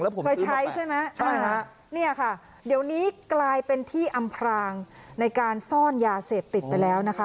เคยใช้ใช่ไหมใช่ฮะเนี่ยค่ะเดี๋ยวนี้กลายเป็นที่อำพรางในการซ่อนยาเสพติดไปแล้วนะคะ